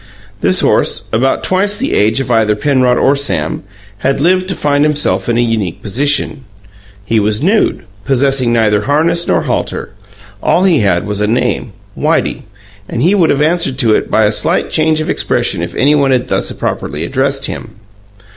This horse, about twice the age of either Penrod or Sam, had lived to find himself in a unique position. He was nude, possessing neither harness nor halter; all he had was a name, Whitey, and he would have answered to it by a slight change of expression if any one had thus properly addressed him.